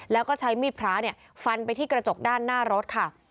แล้วก็ใช้มีดพระฟันไปที่กระจกด้านหน้ารถค่ะ